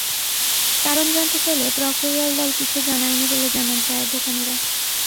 কারণ জানতে চাইলে প্রক্টোরিয়াল দল কিছু জানায়নি বলে জানান চায়ের দোকানিরা।